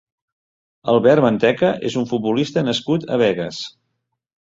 Albert Manteca és un futbolista nascut a Begues.